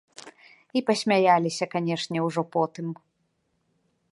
І пасмяяліся, канешне, ужо потым.